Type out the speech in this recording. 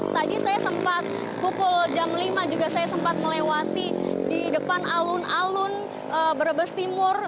tadi saya sempat pukul jam lima juga saya sempat melewati di depan alun alun brebes timur